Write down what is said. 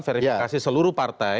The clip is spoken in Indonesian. verifikasi seluruh partai